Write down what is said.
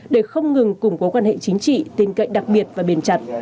để không ngừng củng cố quan hệ chính trị tin cậy đặc biệt và bền chặt